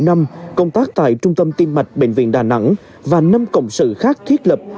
năm công tác tại trung tâm tim mạch bệnh viện đà nẵng và năm cộng sự khác thiết lập